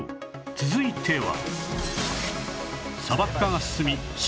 続いては